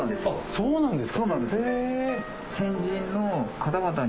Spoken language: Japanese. そうなんです。